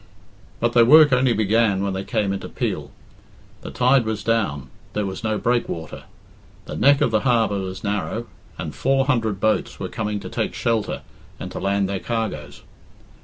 But their work only began when they came into Peel. The tide was down; there was no breakwater; the neck of the harbour was narrow, and four hundred boats were coming to take shelter and to land their cargoes.